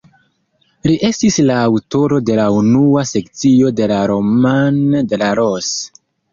Li estis la aŭtoro de la unua sekcio de la "Roman de la Rose".